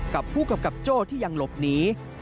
กับผู้กำกับโจ้ที่ยังหลบหนี